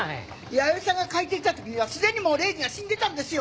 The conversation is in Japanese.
弥生さんが帰ってきたときにはすでに礼司が死んでいたんですよ。